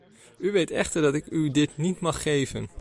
U weet echter dat ik u die niet mag geven.